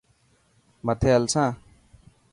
مٿي هلسان.